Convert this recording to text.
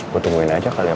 gue tungguin aja kali ya